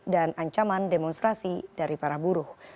dan ancaman demonstrasi dari para buruh